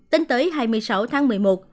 tính tới hai mươi sáu tháng một mươi một